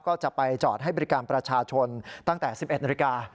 ก็จะไปจอดให้บริการประชาชนตั้งแต่๑๑นาฬิกา